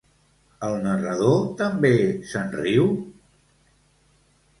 El narrador també se'n riu?